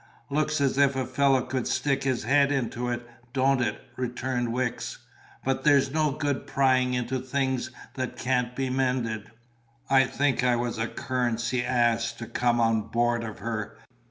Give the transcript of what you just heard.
"Looks as if a fellow could stick his head into it, don't it?" returned Wicks. "But there's no good prying into things that can't be mended." "I think I was a Currency Ass to come on board of her!"